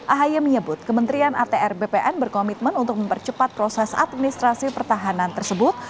ahy menyebut kementerian atr bpn berkomitmen untuk mempercepat proses administrasi pertahanan tersebut